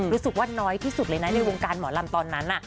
รู้สึกว่าน้อยที่สุดเลยนะในวงการหมอลำตอนนั้น